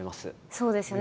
そうですよね。